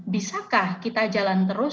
bisakah kita jalan terus